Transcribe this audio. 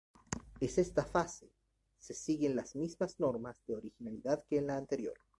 Es esta fase se siguen las mismas normas de originalidad que en la anterior.